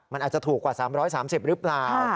มันอาจจะถูกกว่า๓๓๐หรือเปล่า